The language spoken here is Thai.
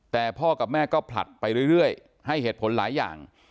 แต่พ่อกับแม่ก็ผลัดไปเรื่อยให้เหตุผลหลายอย่าง